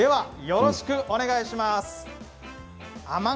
よろしくお願いします。